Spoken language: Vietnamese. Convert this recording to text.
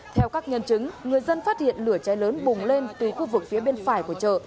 theo các nhân chứng người dân phát hiện lửa cháy lớn bùng lên từ khu vực phía bên phải của chợ